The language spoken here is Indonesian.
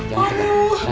jangan rebut ya